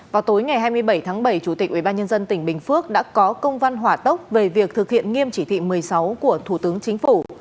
vào tối ngày hai mươi bảy tháng bảy chủ tịch ubnd tỉnh bình phước đã có công văn hỏa tốc về việc thực hiện nghiêm chỉ thị một mươi sáu của thủ tướng chính phủ